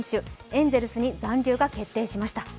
エンゼルスに残留が決定しました。